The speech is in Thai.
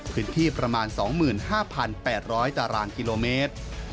พื้นที่ประมาณ๒๕๘๐๐ตารางกิโลเมตร